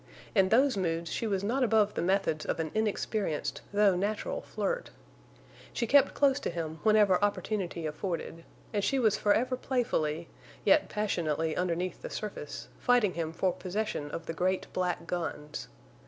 In those moods she was not above the methods of an inexperienced though natural flirt. She kept close to him whenever opportunity afforded; and she was forever playfully, yet passionately underneath the surface, fighting him for possession of the great black guns.